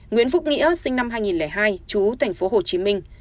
nguyễn phúc nghĩa sinh năm hai nghìn hai chú thành phố hồ chí minh